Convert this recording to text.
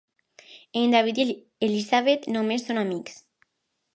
En David i l'Elisabet només són amics.